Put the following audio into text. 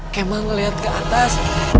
kemah ngeliat ke atas